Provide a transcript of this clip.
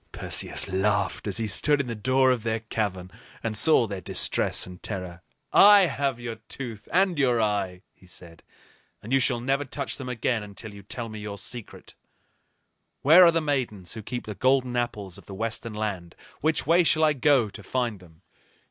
Perseus laughed as he stood in the door of their cavern and saw their distress and terror. "I have your tooth and your eye," he said, "and you shall never touch them again until you tell me your secret. Where are the Maidens who keep the golden apples of the Western Land? Which way shall I go to find them?"